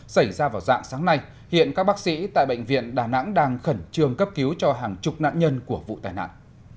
xảy ra vào dạng sáng nay hiện các bác sĩ tại bệnh viện đà nẵng đang khẩn trương cấp cứu cho hàng chục nạn nhân của vụ tai nạn